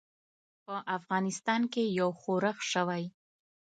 په افغانستان کې یو ښورښ شوی.